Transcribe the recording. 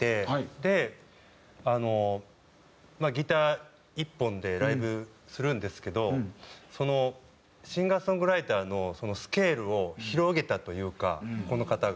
であのギター１本でライブするんですけどシンガーソングライターのスケールを広げたというかこの方が。